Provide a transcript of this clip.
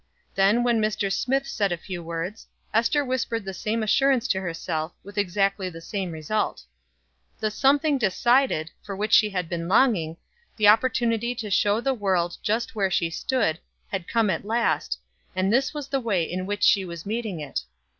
Then when Mr. Smith said a few words, Ester whispered the same assurance to herself, with exactly the same result. The something decided for which she had been longing, the opportunity to show the world just where she stood, had come at last, and this was the way in which she was meeting it.